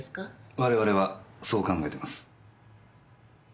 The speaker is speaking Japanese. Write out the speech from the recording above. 我々はそう考えてます。